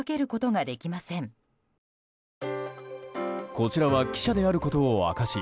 こちらは記者であることを明かし